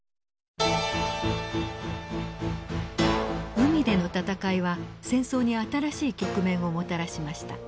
海での戦いは戦争に新しい局面をもたらしました。